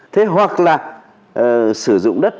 thế hoặc là sử dụng đất